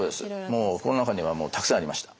もう心の中にはたくさんありました。